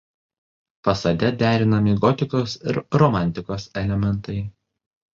Fasade derinami gotikos ir romantikos elementai.